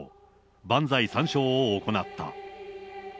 万歳三唱を行った。